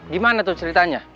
gimana tuh ceritanya